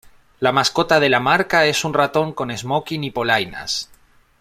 La mascota de la marca es un ratón con un esmoquin y polainas.